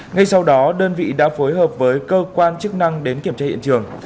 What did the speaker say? ngay sau đó đơn vị đã phối hợp với cơ quan chức năng đến kiểm tra hiện trường